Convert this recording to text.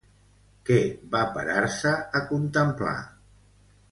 Què va parar-se a contemplar?